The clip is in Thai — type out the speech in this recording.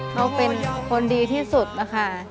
เขาเป็นคนดีที่สุดนะคะ